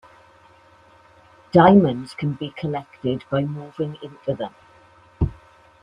Diamonds can be collected by moving into them.